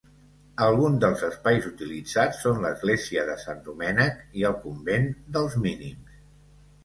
Alguns dels espais utilitzats són l'església de Sant Domènec i el convent dels Mínims.